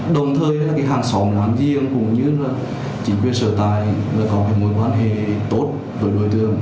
đồng thời là cái hàng xóm làm chiêng cũng như là chính quyền sở tài là có cái mối quan hệ tốt với đối tượng